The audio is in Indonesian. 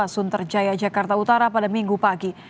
sunterjaya jakarta utara pada minggu pagi